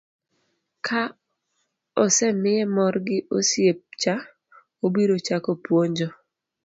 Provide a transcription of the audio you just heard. ka osemiye mor gi osiep cha, obiro chako buonjo